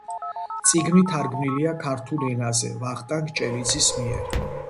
წიგნი თარგმნილია ქართულ ენაზე ვახტანგ ჭელიძის მიერ.